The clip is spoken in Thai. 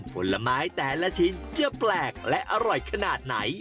ผลไม้แต่ละชิ้นจะแปลกและอร่อยขนาดไหน